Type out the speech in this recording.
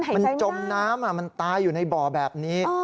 มันจมน้ำมันตายอยู่ในบ่อแบบนี้